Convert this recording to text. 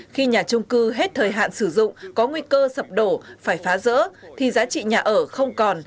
khi nhà trung cư hết thời hạn sử dụng có nguy cơ sập đổ phải phá rỡ thì giá trị nhà ở không còn